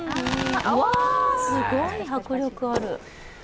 わ、すごい迫力ある。